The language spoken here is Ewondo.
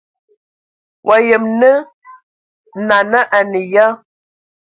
Wa yəm na nana a nə ya?